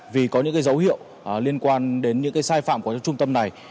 vì có những dấu hiệu liên quan đến những sai phạm của trung tâm này